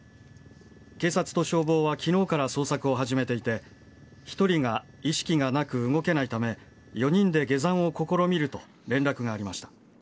警察と消防はきのうから捜索を始めていて、１人が意識がなく動けないため、４人で下山を試みると連絡がありました。